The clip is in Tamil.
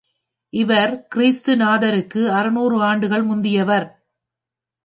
இவர் கிறிஸ்து நாதருக்கு அறுநூறு ஆண்டுகள் முந்தியவர்.